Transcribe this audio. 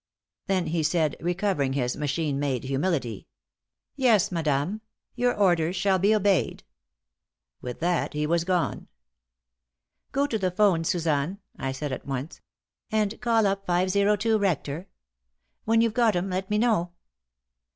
Then he said, recovering his machine made humility: "Yes, madame. Your orders shall be obeyed." With that he was gone. "Go to the 'phone, Suzanne," I said at once, "and call up 502, Rector. When you've got 'em, let me know."